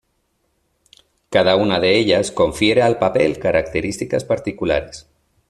Cada una de ellas confiere al papel características particulares.